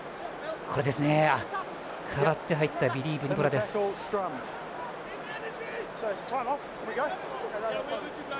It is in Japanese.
代わって入ったビリー・ブニポラでした。